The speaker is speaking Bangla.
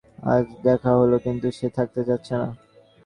আজ দেখা হল, কিন্তু সে থাকতে চাচ্ছে না।